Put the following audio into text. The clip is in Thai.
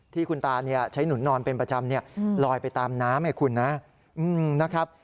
ที่คุณตาใช้หนุนนอนเป็นประจำลอยไปตามน้ำให้คุณนะครับ